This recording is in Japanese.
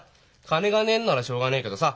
金がねえんならしょうがねえけどさ。